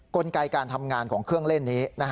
กลไกการทำงานของเครื่องเล่นนี้